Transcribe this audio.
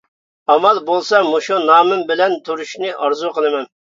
ئامال بولسا مۇشۇ نامىم بىلەن تۇرۇشنى ئارزۇ قىلىمەن.